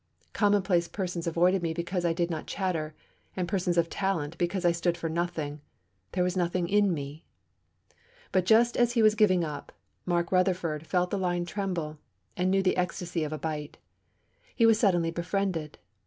Commonplace persons avoided me because I did not chatter, and persons of talent because I stood for nothing there was nothing in me!' But, just as he was giving up, Mark Rutherford felt the line tremble, and knew the ecstasy of a bite! He was suddenly befriended.